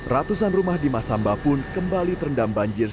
ratusan rumah di masamba pun kembali terendam banjir